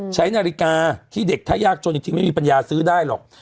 ใช้นาฬิกาที่เด็กถ้ายากจนจริงไม่มีปัญญาซื้อได้หรอก